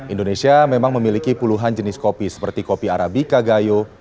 indonesia memang memiliki puluhan jenis kopi seperti kopi arabica gayo